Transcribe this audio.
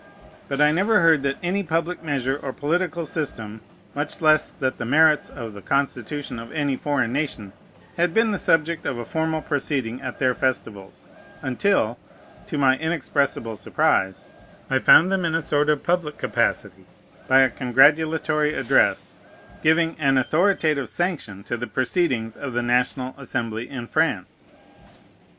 But I never heard that any public measure or political system, much less that the merits of the constitution of any foreign nation, had been the subject of a formal proceeding at their festivals, until, to my inexpressible surprise, I found them in a sort of public capacity, by a congratulatory address, giving an authoritative sanction to the proceedings of the National Assembly in France.